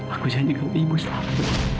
aku janji kepada ibu selalu